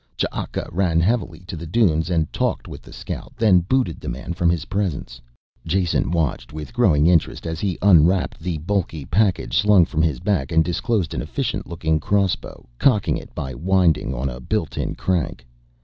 Ch'aka ran heavily to the dunes and talked with the scout, then booted the man from his presence. Jason watched with growing interest as he unwrapped the bulky package slung from his back and disclosed an efficient looking crossbow, cocking it by winding on a built in crank.